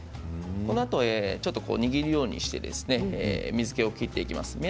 このあとちょっと握るようにして水けを切っていきます。